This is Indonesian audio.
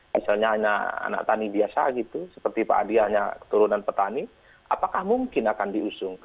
misalnya hanya anak tani biasa gitu seperti pak adi hanya keturunan petani apakah mungkin akan diusung